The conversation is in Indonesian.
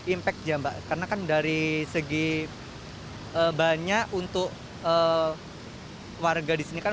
impact ya mbak karena kan dari segi banyak untuk warga di sini kan